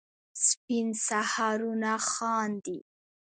سپین سهارونه خاندي